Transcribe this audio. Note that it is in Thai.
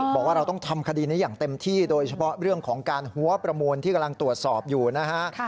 บอกว่าเราต้องทำคดีนี้อย่างเต็มที่โดยเฉพาะเรื่องของการหัวประมูลที่กำลังตรวจสอบอยู่นะฮะ